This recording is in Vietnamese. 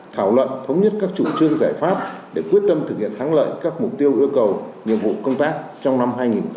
thảo luận thống nhất các chủ trương giải pháp để quyết tâm thực hiện thắng lợi các mục tiêu yêu cầu nhiệm vụ công tác trong năm hai nghìn hai mươi